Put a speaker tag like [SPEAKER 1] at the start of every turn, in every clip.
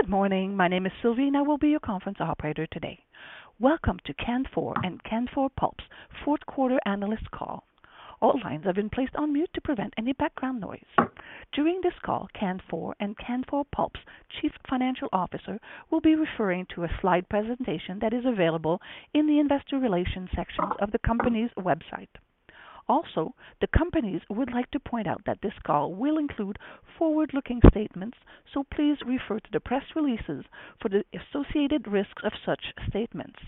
[SPEAKER 1] Good morning. My name is Sylvia, and I will be your conference operator today. Welcome to Canfor and Canfor Pulp's Fourth Quarter Analyst Call. All lines have been placed on mute to prevent any background noise. During this call, Canfor and Canfor Pulp's Chief Financial Officer will be referring to a slide presentation that is available in the investor relations section of the company's website. The companies would like to point out that this call will include forward-looking statements, so please refer to the press releases for the associated risks of such statements.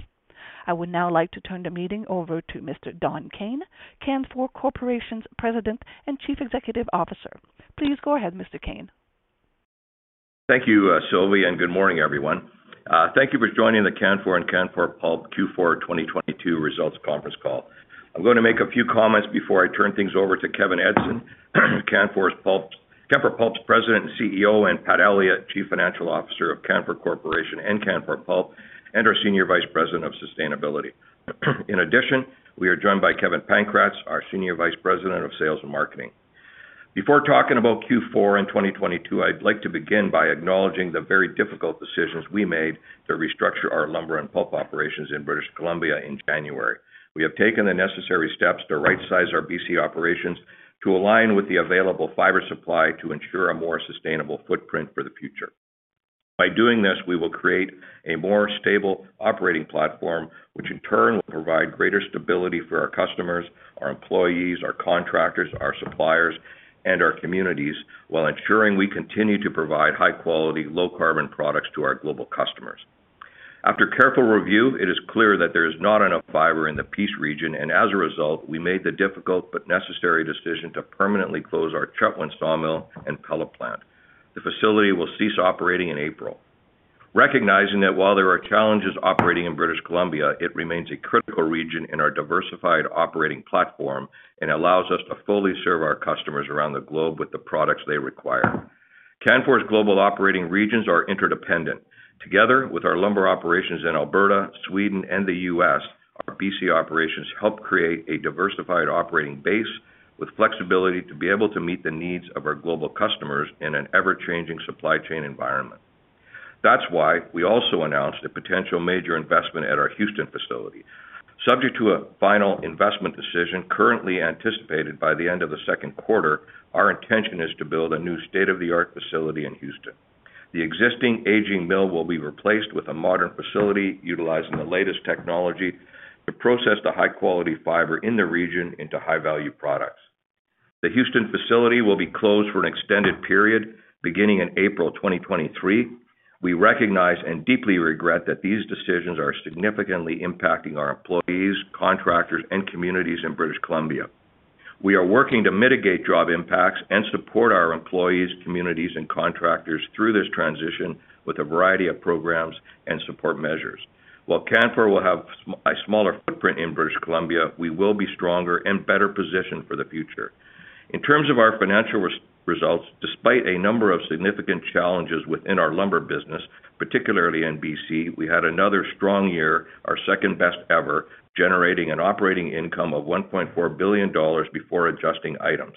[SPEAKER 1] I would now like to turn the meeting over to Mr. Don Kayne, Canfor Corporation's President and Chief Executive Officer. Please go ahead, Mr. Kayne.
[SPEAKER 2] Thank you, Sylvia, and good morning, everyone. Thank you for joining the Canfor and Canfor Pulp Q4 2022 results conference call. I'm gonna make a few comments before I turn things over to Kevin Edgson, Canfor Pulp's President and CEO and Pat Elliott, Chief Financial Officer of Canfor Corporation and Canfor Pulp and our Senior Vice President of Sustainability. In addition, we are joined by Kevin Pankratz, our Senior Vice President of Sales and Marketing. Before talking about Q4 and 2022, I'd like to begin by acknowledging the very difficult decisions we made to restructure our Lumber and Pulp operations in British Columbia in January. We have taken the necessary steps to rightsize our BC operations to align with the available fibre supply to ensure a more sustainable footprint for the future. By doing this, we will create a more stable operating platform, which in turn will provide greater stability for our customers, our employees, our contractors, our suppliers, and our communities while ensuring we continue to provide high-quality, low-carbon products to our global customers. After careful review, it is clear that there is not enough fiber in the Peace region, and as a result, we made the difficult but necessary decision to permanently close our Chetwynd sawmill and pellet plant. The facility will cease operating in April. Recognizing that while there are challenges operating in British Columbia, it remains a critical region in our diversified operating platform and allows us to fully serve our customers around the globe with the products they require. Canfor's global operating regions are interdependent. Together with our Lumber operations in Alberta, Sweden, and the U.S., our BC operations help create a diversified operating base with flexibility to be able to meet the needs of our global customers in an ever-changing supply chain environment. That's why we also announced a potential major investment at our Houston facility. Subject to a final investment decision currently anticipated by the end of the second quarter, our intention is to build a new state-of-the-art facility in Houston. The existing aging mill will be replaced with a modern facility utilizing the latest technology to process the high-quality fiber in the region into high-value products. The Houston facility will be closed for an extended period beginning in April 2023. We recognize and deeply regret that these decisions are significantly impacting our employees, contractors, and communities in British Columbia. We are working to mitigate job impacts and support our employees, communities, and contractors through this transition with a variety of programs and support measures. While Canfor will have a smaller footprint in British Columbia, we will be stronger and better positioned for the future. In terms of our financial results, despite a number of significant challenges within our Lumber business, particularly in BC, we had another strong year, our second best ever, generating an operating income of 1.4 billion dollars before adjusting items.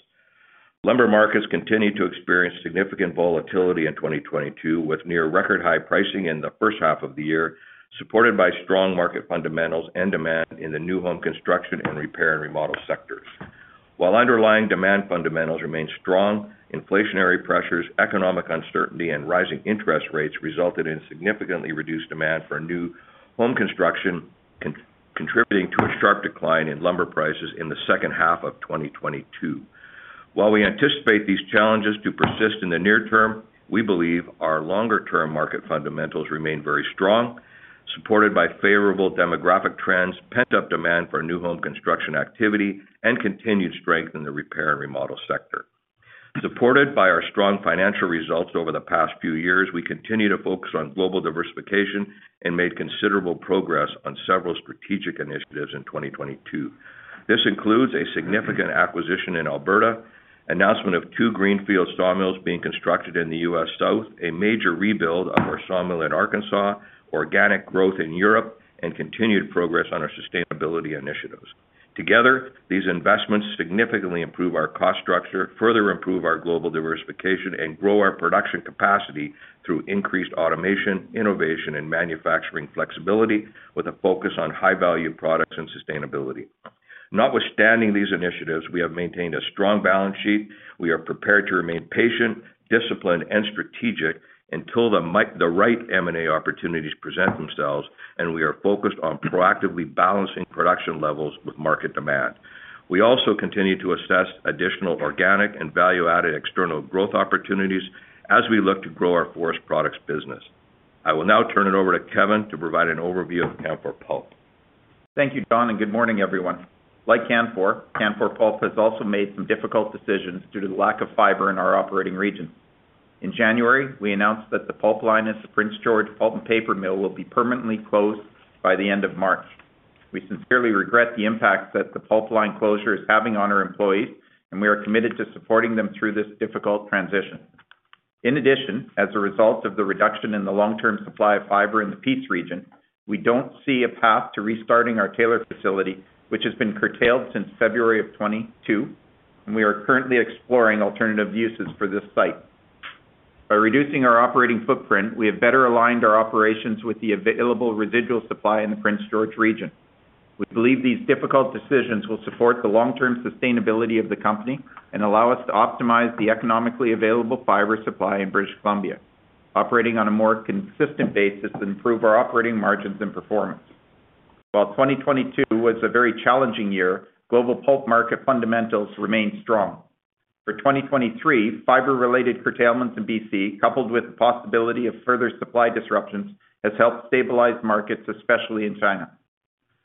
[SPEAKER 2] Lumber markets continued to experience significant volatility in 2022, with near record high pricing in the first half of the year, supported by strong market fundamentals and demand in the new home construction and repair and remodel sectors. While underlying demand fundamentals remained strong, inflationary pressures, economic uncertainty, and rising interest rates resulted in significantly reduced demand for new home construction contributing to a sharp decline in lumber prices in the second half of 2022. While we anticipate these challenges to persist in the near term, we believe our longer-term market fundamentals remain very strong, supported by favorable demographic trends, pent-up demand for new home construction activity, and continued strength in the repair and remodel sector. Supported by our strong financial results over the past few years, we continue to focus on global diversification and made considerable progress on several strategic initiatives in 2022. This includes a significant acquisition in Alberta, announcement of two greenfield sawmills being constructed in the U.S. South, a major rebuild of our sawmill in Arkansas, organic growth in Europe, and continued progress on our sustainability initiatives. Together, these investments significantly improve our cost structure, further improve our global diversification, and grow our production capacity through increased automation, innovation, and manufacturing flexibility with a focus on high-value products and sustainability. Notwithstanding these initiatives, we have maintained a strong balance sheet. We are prepared to remain patient, disciplined, and strategic until the right M&A opportunities present themselves, and we are focused on proactively balancing production levels with market demand. We also continue to assess additional organic and value-added external growth opportunities as we look to grow our forest products business. I will now turn it over to Kevin to provide an overview of Canfor Pulp.
[SPEAKER 3] Thank you, Don, and good morning, everyone. Like Canfor, Canfor Pulp has also made some difficult decisions due to the lack of fiber in our operating region. In January, we announced that the pulp line at the Prince George Pulp and Paper mill will be permanently closed by the end of March. We sincerely regret the impact that the pulp line closure is having on our employees, and we are committed to supporting them through this difficult transition. In addition, as a result of the reduction in the long-term supply of fiber in the Peace Region, we don't see a path to restarting our Taylor facility, which has been curtailed since February of 2022. We are currently exploring alternative uses for this site. By reducing our operating footprint, we have better aligned our operations with the available residual supply in the Prince George region. We believe these difficult decisions will support the long-term sustainability of the company and allow us to optimize the economically available fibre supply in British Columbia, operating on a more consistent basis to improve our operating margins and performance. While 2022 was a very challenging year, global pulp market fundamentals remain strong. For 2023, fibre-related curtailments in BC, coupled with the possibility of further supply disruptions, has helped stabilize markets, especially in China.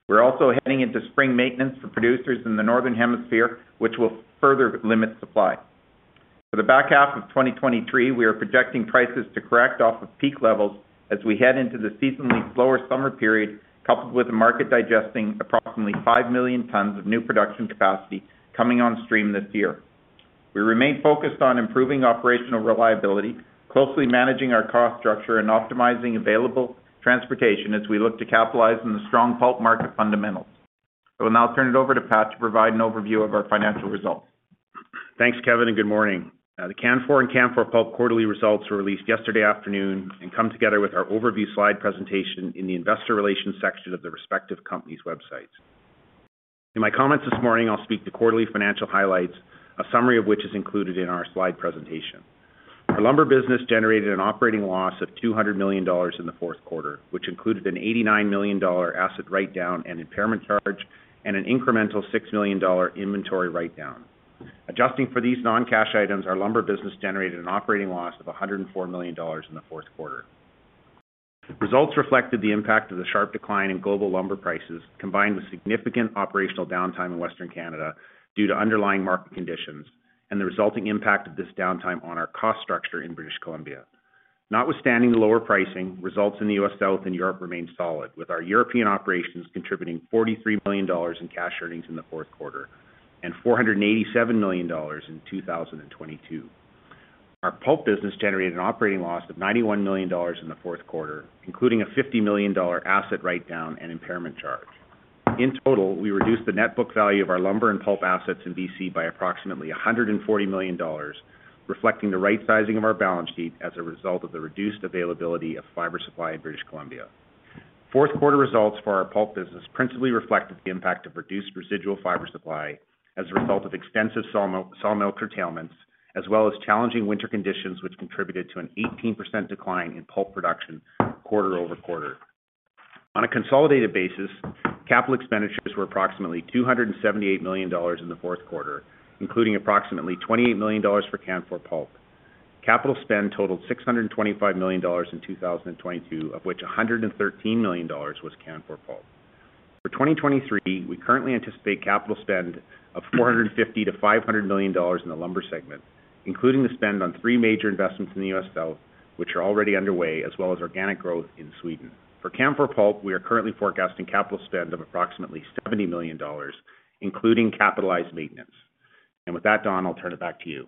[SPEAKER 3] We're also heading into spring maintenance for producers in the Northern Hemisphere, which will further limit supply. For the back half of 2023, we are projecting prices to correct off of peak levels as we head into the seasonally slower summer period, coupled with the market digesting approximately 5 million tons of new production capacity coming on stream this year. We remain focused on improving operational reliability, closely managing our cost structure, and optimizing available transportation as we look to capitalize on the strong pulp market fundamentals. I will now turn it over to Pat to provide an overview of our financial results.
[SPEAKER 4] Thanks, Kevin. Good morning. The Canfor and Canfor Pulp quarterly results were released yesterday afternoon and come together with our overview slide presentation in the investor relations section of the respective company's websites. In my comments this morning, I'll speak to quarterly financial highlights, a summary of which is included in our slide presentation. Our Lumber business generated an operating loss of 200 million dollars in the fourth quarter, which included a 89 million dollar asset write-down and impairment charge and an incremental 6 million dollar inventory write-down. Adjusting for these non-cash items, our Lumber business generated an operating loss of 104 million dollars in the fourth quarter. Results reflected the impact of the sharp decline in global lumber prices, combined with significant operational downtime in Western Canada due to underlying market conditions and the resulting impact of this downtime on our cost structure in British Columbia. Notwithstanding the lower pricing, results in the U.S. South and Europe remain solid, with our European operations contributing CAD $43 million in cash earnings in the fourth quarter and CAD $487 million in 2022. Our pulp business generated an operating loss of CAD $91 million in the fourth quarter, including a CAD $50 million asset write-down and impairment charge. In total, we reduced the net book value of our Lumber and Pulp assets in BC by approximately CAD $140 million, reflecting the right sizing of our balance sheet as a result of the reduced availability of fiber supply in British Columbia. Fourth quarter results for our Pulp business principally reflected the impact of reduced residual fiber supply as a result of extensive sawmill curtailments, as well as challenging winter conditions, which contributed to an 18% decline in pulp production quarter-over-quarter. On a consolidated basis, capital expenditures were approximately 278 million dollars in the fourth quarter, including approximately 28 million dollars for Canfor Pulp. Capital spend totaled 625 million dollars in 2022, of which 113 million dollars was Canfor Pulp. For 2023, we currently anticipate capital spend of 450 million-500 million dollars in the Lumber segment, including the spend on three major investments in the U.S. South, which are already underway, as well as organic growth in Sweden. For Canfor Pulp, we are currently forecasting capital spend of approximately 70 million dollars, including capitalized maintenance. With that, Don, I'll turn it back to you.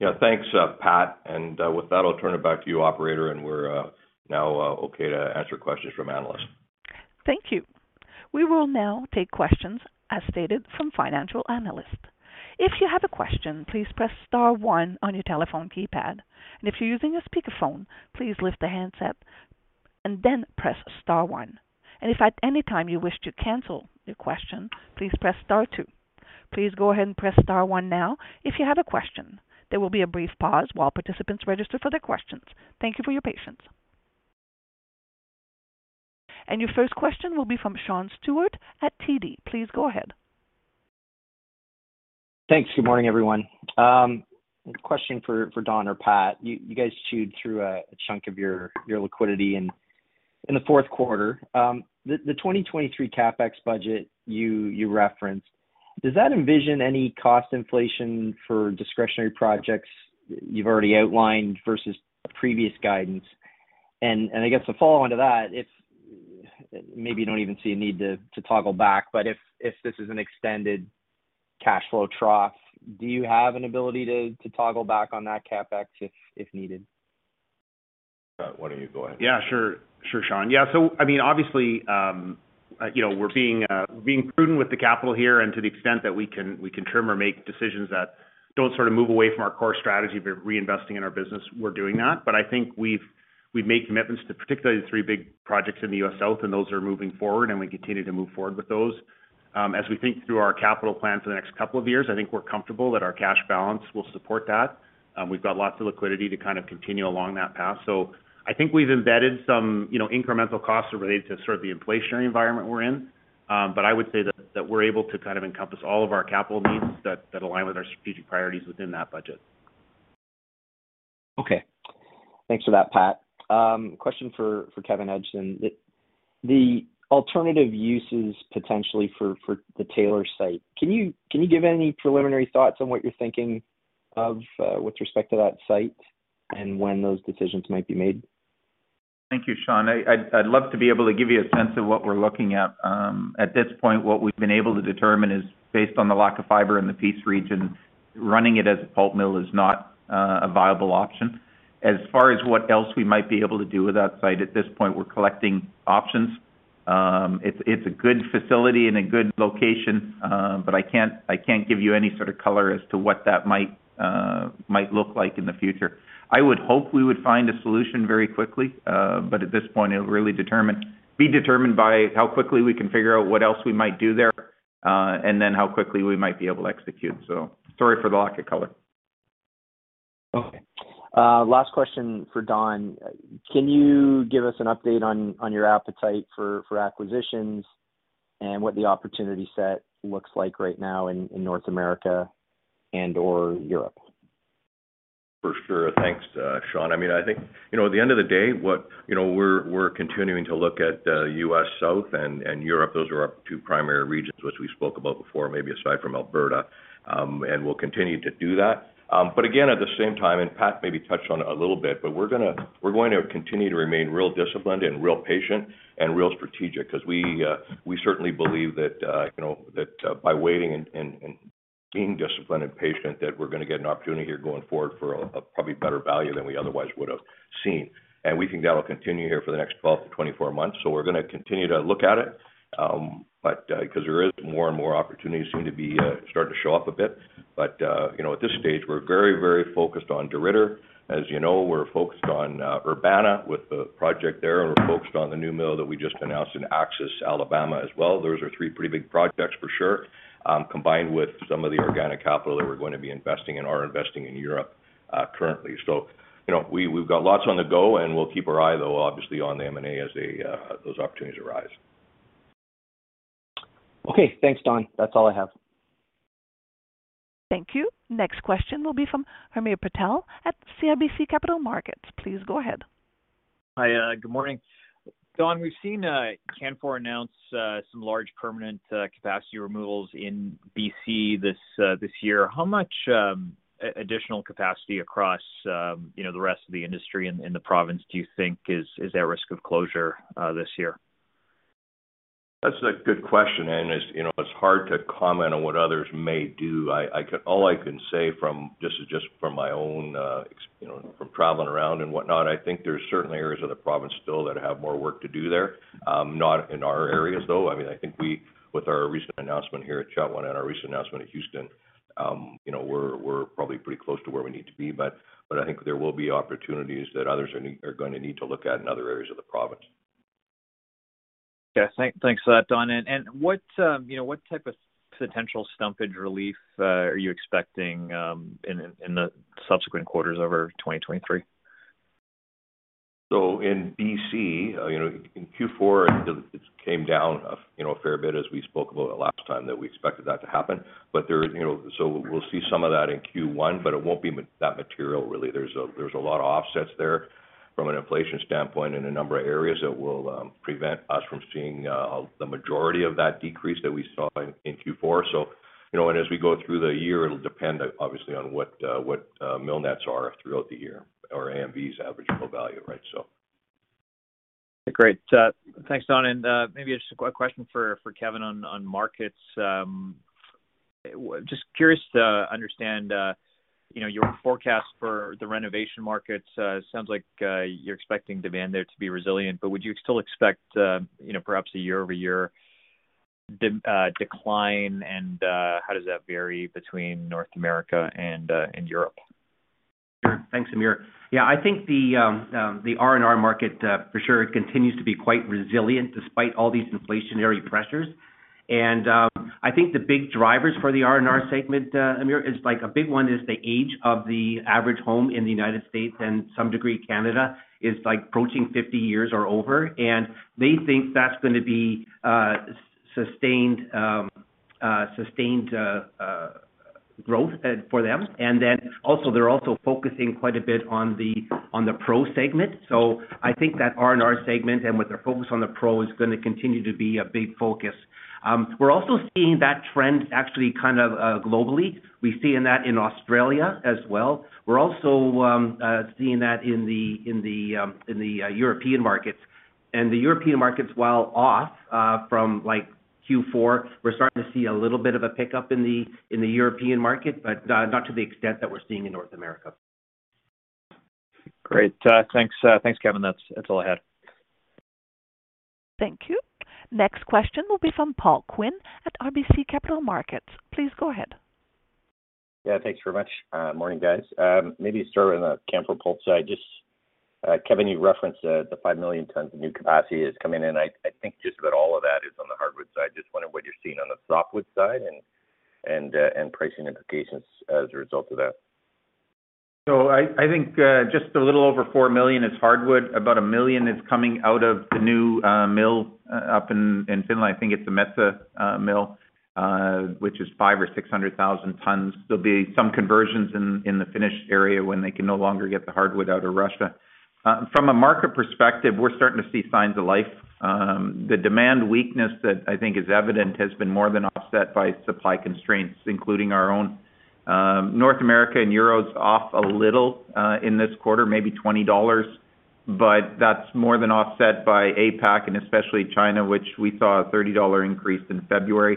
[SPEAKER 2] Yeah, thanks, Pat. With that, I'll turn it back to you, operator, and we're now okay to answer questions from analysts.
[SPEAKER 1] Thank you. We will now take questions, as stated, from financial analysts. If you have a question, please press star one on your telephone keypad. If you're using a speakerphone, please lift the handset and then press star one. If at any time you wish to cancel your question, please press star two. Please go ahead and press star one now if you have a question. There will be a brief pause while participants register for their questions. Thank you for your patience. Your first question will be from Sean Steuart at TD. Please go ahead.
[SPEAKER 5] Thanks. Good morning, everyone. Question for Don or Pat. You guys chewed through a chunk of your liquidity in the fourth quarter. The 2023 CapEx budget you referenced, does that envision any cost inflation for discretionary projects you've already outlined versus previous guidance? I guess a follow-on to that, if maybe you don't even see a need to toggle back, but if this is an extended cash flow trough, do you have an ability to toggle back on that CapEx if needed?
[SPEAKER 2] Why don't you go ahead?
[SPEAKER 4] Sure. Sure, Sean. I mean, obviously, you know, we're being prudent with the capital here and to the extent that we can, we can trim or make decisions that don't sort of move away from our core strategy of reinvesting in our business, we're doing that. I think we've made commitments to particularly the three big projects in the U.S. South, and those are moving forward, and we continue to move forward with those. As we think through our capital plan for the next couple of years, I think we're comfortable that our cash balance will support that. We've got lots of liquidity to kind of continue along that path. I think we've embedded some, you know, incremental costs related to sort of the inflationary environment we're in. I would say that we're able to kind of encompass all of our capital needs that align with our strategic priorities within that budget.
[SPEAKER 5] Okay. Thanks for that, Pat. Question for Kevin Edgson. The alternative uses potentially for the Taylor site, can you give any preliminary thoughts on what you're thinking of with respect to that site and when those decisions might be made?
[SPEAKER 3] Thank you, Sean. I'd love to be able to give you a sense of what we're looking at. At this point, what we've been able to determine is based on the lack of fiber in the Peace region, running it as a pulp mill is not a viable option. As far as what else we might be able to do with that site, at this point, we're collecting options. It's a good facility and a good location, I can't give you any sort of color as to what that might look like in the future. I would hope we would find a solution very quickly, at this point, it will really be determined by how quickly we can figure out what else we might do there, how quickly we might be able to execute. Sorry for the lack of color.
[SPEAKER 5] Last question for Don. Can you give us an update on your appetite for acquisitions and what the opportunity set looks like right now in North America and/or Europe?
[SPEAKER 2] For sure. Thanks, Sean. I mean, I think, you know, at the end of the day, you know, we're continuing to look at U.S. South and Europe. Those are our two primary regions, which we spoke about before, maybe aside from Alberta, and we'll continue to do that. Again, at the same time, and Pat maybe touched on it a little bit, we're going to continue to remain real disciplined and real patient and real strategic because we certainly believe that, you know, that by waiting and being disciplined and patient that we're going to get an opportunity here going forward for a probably better value than we otherwise would have seen. We think that'll continue here for the next 12-24 months. We're gonna continue to look at it, but, 'cause there is more and more opportunities seem to be starting to show up a bit. You know, at this stage, we're very, very focused on DeRidder. As you know, we're focused on Urbana with the project there, and we're focused on the new mill that we just announced in Axis, Alabama, as well. Those are three pretty big projects for sure, combined with some of the organic capital that we're going to be investing and are investing in Europe, currently. You know, we've got lots on the go, and we'll keep our eye though obviously on the M&A as they those opportunities arise.
[SPEAKER 5] Okay, thanks, Don. That's all I have.
[SPEAKER 1] Thank you. Next question will be from Hamir Patel at CIBC Capital Markets. Please go ahead.
[SPEAKER 6] Hi. Good morning. Don, we've seen Canfor announce some large permanent capacity removals in BC this year. How much additional capacity across, you know, the rest of the industry in the province do you think is at risk of closure this year?
[SPEAKER 2] That's a good question. It's, you know, it's hard to comment on what others may do. All I can say from just from my own, you know, from traveling around and whatnot, I think there's certainly areas of the province still that have more work to do there. Not in our areas, though. I mean, I think we, with our recent announcement here at Chetwynd and our recent announcement at Houston, you know, we're probably pretty close to where we need to be. I think there will be opportunities that others are gonna need to look at in other areas of the province.
[SPEAKER 6] Yeah. Thanks for that, Don. What, you know, what type of potential fibre relief are you expecting in the subsequent quarters over 2023?
[SPEAKER 2] In BC, you know, in Q4, it came down, you know, a fair bit as we spoke about it last time that we expected that to happen. There, you know, we'll see some of that in Q1, but it won't be that material really. There's a, there's a lot of offsets there from an inflation standpoint in a number of areas that will prevent us from seeing the majority of that decrease that we saw in Q4. You know, as we go through the year, it'll depend obviously on what, mill nets are throughout the year or AMVs, average mill value, right.
[SPEAKER 6] Great. Thanks, Don. Maybe just a question for Kevin on markets? Just curious to understand, you know, your forecast for the renovation markets. It sounds like you're expecting demand there to be resilient, but would you still expect, you know, perhaps a year-over-year decline? How does that vary between North America and Europe?
[SPEAKER 7] Sure. Thanks, Amir. I think the R&R market for sure continues to be quite resilient despite all these inflationary pressures. I think the big drivers for the R&R segment, Amir, is like a big one is the age of the average home in the United States and some degree Canada is like approaching 50 years or over, and they think that's gonna be sustained growth for them. Also, they're also focusing quite a bit on the pro segment. I think that R&R segment and with their focus on the pro is gonna continue to be a big focus. We're also seeing that trend actually kind of globally. We've seen that in Australia as well. We're also seeing that in the European markets. The European markets, while off from like Q4, we're starting to see a little bit of a pickup in the European market, but not to the extent that we're seeing in North America.
[SPEAKER 6] Great. Thanks. Thanks, Kevin. That's all I had.
[SPEAKER 1] Thank you. Next question will be from Paul Quinn at RBC Capital Markets. Please go ahead.
[SPEAKER 8] Yeah. Thanks very much. Morning, guys. Maybe start on the Canfor Pulp side. Just Kevin, you referenced the five million tons of new capacity is coming in. I think just about all of that is on the hardwood side. Just wondering what you're seeing on the softwood side and pricing implications as a result of that.
[SPEAKER 3] I think just a little over four million is hardwood. About 1 million is coming out of the new mill up in Finland. I think it's a Metsä mill, which is 500,000-600,000 tons. There'll be some conversions in the finished area when they can no longer get the hardwood out of Russia. From a market perspective, we're starting to see signs of life. The demand weakness that I think is evident has been more than offset by supply constraints, including our own.
[SPEAKER 7] North America and Euro is off a little in this quarter, maybe $20, but that's more than offset by APAC and especially China, which we saw a $30 increase in February.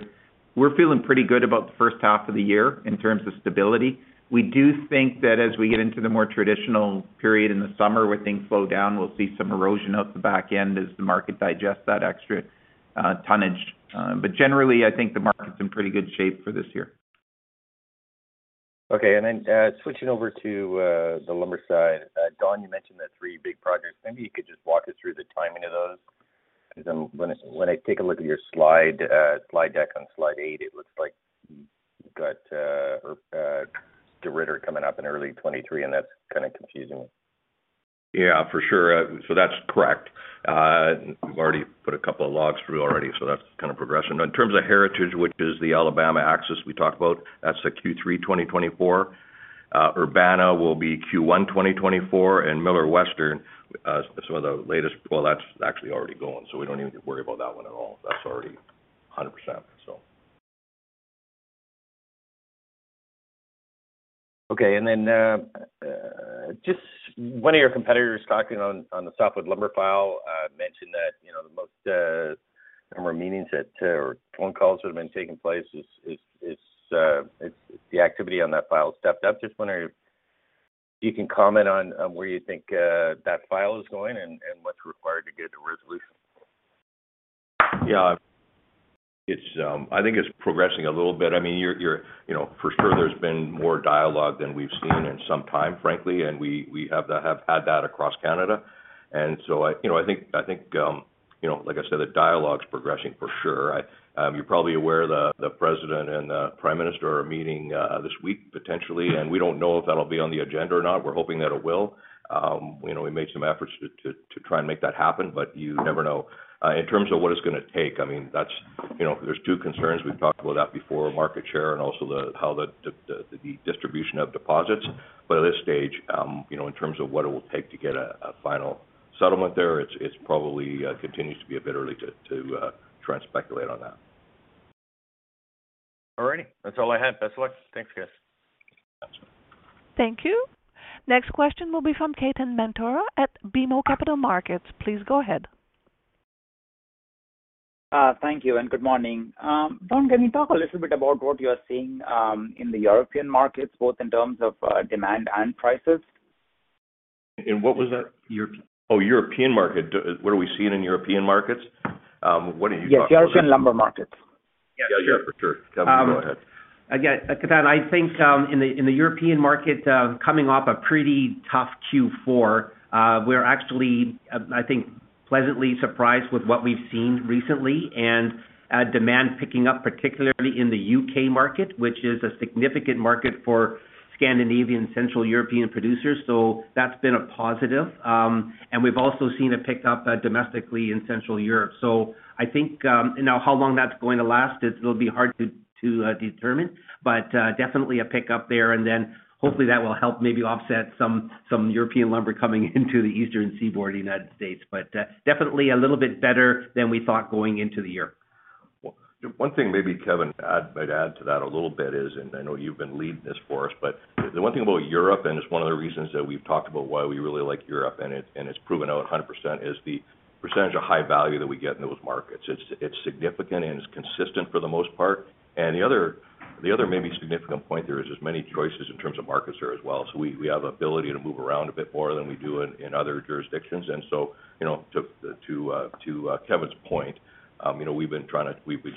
[SPEAKER 7] We're feeling pretty good about the first half of the year in terms of stability. We do think that as we get into the more traditional period in the summer where things slow down, we'll see some erosion out the back end as the market digests that extra tonnage. Generally, I think the market's in pretty good shape for this year.
[SPEAKER 8] Okay. Switching over to the Lumber side. Don, you mentioned the three big projects. Maybe you could just walk us through the timing of those. When I, when I take a look at your slide deck on slide eight, it looks like you got, or, DeRidder coming up in early 2023, and that's kind of confusing.
[SPEAKER 2] Yeah, for sure. That's correct. We've already put a couple of logs through already, so that's kind of progressing. In terms of Heritage, which is the Alabama, Axis we talked about, that's the Q3 2024. Urbana will be Q1 2024. Millar Western, some of the latest... Well, that's actually already gone, so we don't even have to worry about that one at all. That's already 100%, so.
[SPEAKER 8] Okay. Then, just one of your competitors talking on the softwood lumber file, mentioned that, you know, the most, number of meetings that, or phone calls that have been taking place is the activity on that file stepped up? Just wondering if you can comment on where you think, that file is going and what's required to get a resolution?
[SPEAKER 2] Yeah. It's, I think it's progressing a little bit. I mean, you know, for sure there's been more dialogue than we've seen in some time, frankly, and we have to have had that across Canada. I, you know, I think, I think, you know, like I said, the dialogue's progressing for sure. I, you're probably aware the President and the Prime Minister are meeting this week, potentially, and we don't know if that'll be on the agenda or not. We're hoping that it will. You know, we made some efforts to try and make that happen, but you never know. In terms of what it's gonna take, I mean, that's, you know, there's two concerns. We've talked about that before, market share and also the, how the distribution of deposits. At this stage, you know, in terms of what it will take to get a final settlement there, it's probably, continues to be a bit early to try and speculate on that.
[SPEAKER 8] All righty. That's all I had. Best luck. Thanks, guys.
[SPEAKER 7] Absolutely.
[SPEAKER 1] Thank you. Next question will be from Ketan Mamtora at BMO Capital Markets. Please go ahead.
[SPEAKER 9] Thank you and good morning. Don, can you talk a little bit about what you are seeing, in the European markets, both in terms of, demand and prices?
[SPEAKER 2] What was that?
[SPEAKER 8] European.
[SPEAKER 2] European market. What are we seeing in European markets? What are you talking about-
[SPEAKER 9] Yes, European Lumber markets.
[SPEAKER 2] Yeah, sure. For sure. Kevin, go ahead.
[SPEAKER 7] Ketan, I think, in the European market, coming off a pretty tough Q4, we're actually, I think, pleasantly surprised with what we've seen recently and demand picking up, particularly in the U.K. market, which is a significant market for Scandinavian, Central European producers. That's been a positive. We've also seen a pickup domestically in Central Europe. I think, Now, how long that's going to last, it'll be hard to determine, but definitely a pickup there. Hopefully that will help maybe offset some European lumber coming into the Eastern Seaboard of the United States. Definitely a little bit better than we thought going into the year.
[SPEAKER 2] One thing maybe, Kevin, might add to that a little bit is, and I know you've been leading this for us, but the one thing about Europe, and it's one of the reasons that we've talked about why we really like Europe and it's proven out 100%, is the percentage of high value that we get in those markets. It's significant and it's consistent for the most part. The other maybe significant point there is there's many choices in terms of markets there as well. We have ability to move around a bit more than we do in other jurisdictions. You know, to Kevin's point, you know, we've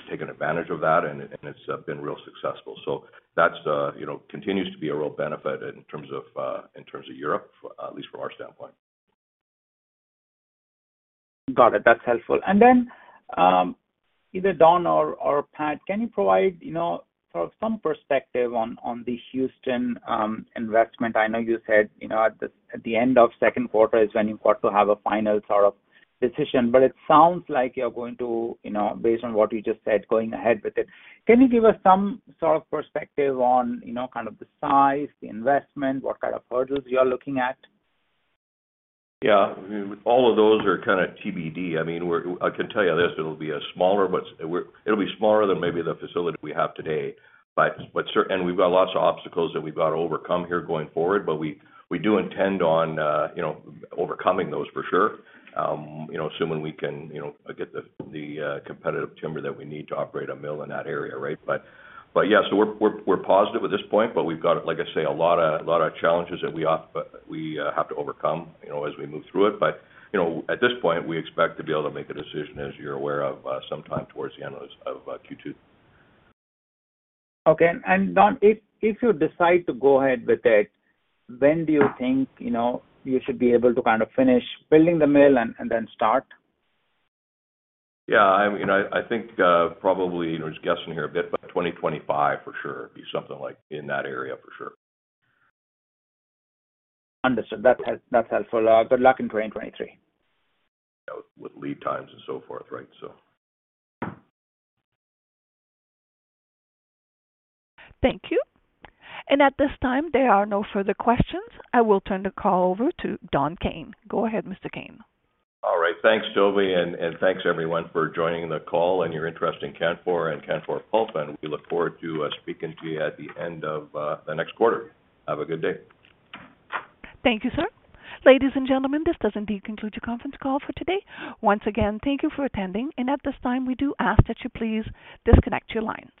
[SPEAKER 2] taken advantage of that and it's been real successful. That's, you know, continues to be a real benefit in terms of, in terms of Europe, at least from our standpoint.
[SPEAKER 9] Got it. That's helpful. Either Don or Pat, can you provide, you know, sort of some perspective on the Houston investment? I know you said, you know, at the, at the end of second quarter is when you ought to have a final sort of decision, but it sounds like you're going to, you know, based on what you just said, going ahead with it. Can you give us some sort of perspective on, you know, kind of the size, the investment, what kind of hurdles you are looking at?
[SPEAKER 2] Yeah. All of those are kinda TBD. I mean, I can tell you this, it'll be smaller than maybe the facility we have today. We've got lots of obstacles that we've got to overcome here going forward. We do intend on, you know, overcoming those for sure. You know, assuming we can, you know, get the competitive timber that we need to operate a mill in that area, right? Yeah. We're positive at this point, but we've got, like I say, a lot of challenges that we have to overcome, you know, as we move through it. You know, at this point, we expect to be able to make a decision, as you're aware of, sometime towards the end of Q2.
[SPEAKER 9] Okay. Don, if you decide to go ahead with it, when do you think, you know, you should be able to kind of finish building the mill and then start?
[SPEAKER 2] Yeah, I'm, you know, I think, probably, you know, just guessing here a bit, but 2025 for sure. It'd be something like in that area for sure.
[SPEAKER 9] Understood. That's helpful. Good luck in 2023.
[SPEAKER 2] You know, with lead times and so forth, right?
[SPEAKER 1] Thank you. At this time, there are no further questions. I will turn the call over to Don Kayne. Go ahead, Mr. Kayne.
[SPEAKER 2] All right. Thanks Sylvia, and thanks everyone for joining the call and your interest in Canfor and Canfor Pulp, and we look forward to speaking to you at the end of the next quarter. Have a good day.
[SPEAKER 1] Thank you, sir. Ladies and gentlemen, this does indeed conclude your conference call for today. Once again, thank you for attending, and at this time, we do ask that you please disconnect your lines.